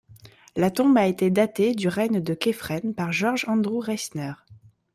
La tombe a été datée du règne de Khéphren par George Andrew Reisner.